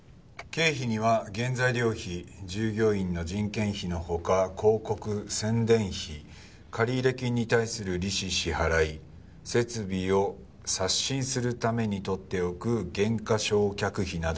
「経費には原材料費従業員の人件費の他広告・宣伝費借入金に対する利子支払い設備を刷新するために取っておく減価償却費なども含まれる」